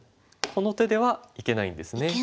この手ではいけないんですね。